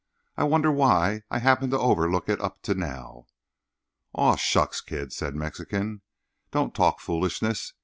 I wonder why I happened to overlook it up to now?" "Ah, shucks, Kid," said Mexican, "don't talk foolishness.